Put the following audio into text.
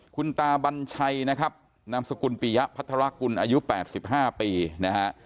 คุณตาบัญชัยนะครับนามสกุลปียะพัทรกุลอายุ๘๕ปีนะฮะ